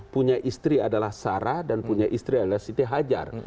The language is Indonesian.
punya istri adalah sarah dan punya istri adalah siti hajar